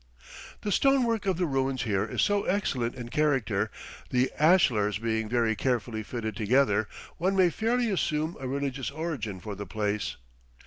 The stonework of the ruins here is so excellent in character, the ashlars being very carefully fitted together, one may fairly assume a religious origin for the place.